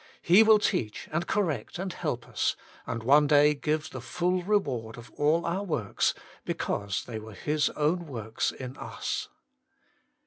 He will teach and correct and help us, and one day give the full reward of all our works because they were His own works in us.